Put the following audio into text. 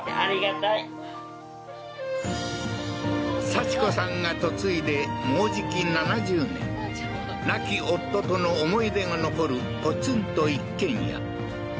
幸子さんが嫁いでもうじき７０年亡き夫との思い出が残るポツンと一軒家